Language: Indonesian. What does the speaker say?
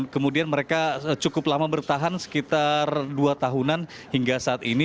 kemudian mereka cukup lama bertahan sekitar dua tahunan hingga saat ini